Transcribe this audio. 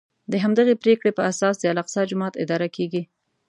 د همدغې پرېکړې په اساس د الاقصی جومات اداره کېږي.